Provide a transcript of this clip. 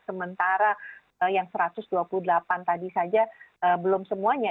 sementara yang satu ratus dua puluh delapan tadi saja belum semuanya